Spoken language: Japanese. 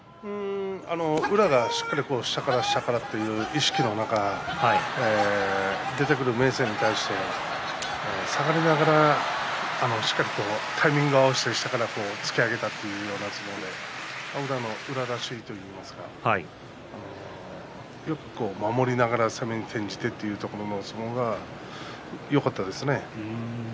宇良が、しっかり下から下からという意識の中出てくる明生に対して下がりながらしっかりタイミングを合わせて下から突き上げたというような相撲で宇良らしいというかよく守りながら攻めに転じてというところの相撲がよかったですね。